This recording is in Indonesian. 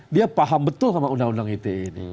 dia paham betul sama undang undang ite ini